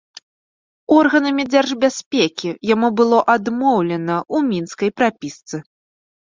Органамі дзяржбяспекі яму было адмоўлена ў мінскай прапісцы.